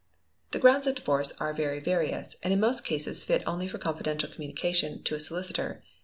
The grounds of divorce are very various, and in most cases fit only for confidential communication to a solicitor.